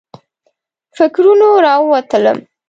فکرونو راووتلم.